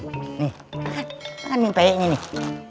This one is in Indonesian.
makan makan yang payeknya nih